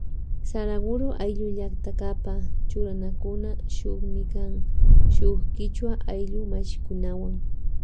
Saraguro ayllu llaktakapa churanakuna shukmi kan shuk kichwa ayllu mashikunawan.